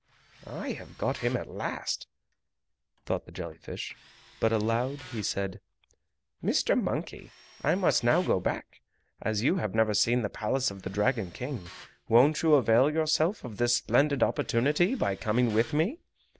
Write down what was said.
"I have got him at last!" thought the jelly fish, but aloud he said: "Mr. Monkey. I must now go back. As you have never seen the Palace of the Dragon King, won't you avail yourself of this splendid opportunity by coming with me?